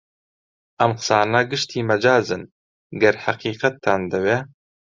ئەم قسانە گشتی مەجازن گەر حەقیقەتتان دەوێ